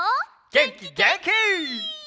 げんきげんき！